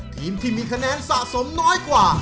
ทีมที่มีคะแนนสะสมน้อยกว่า